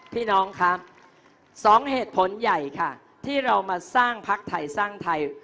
พี่น้องครับสองเหตุผลใหญ่ค่ะที่เรามาสร้างพักไทยสร้างไทย